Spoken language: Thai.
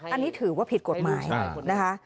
อันนี้ถือว่าผิดกฎหมายนะคะ